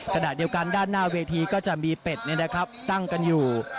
ขณะเดียวกันด้านหน้าเวทีก็จะมีเป็ดตั้งกันอยู่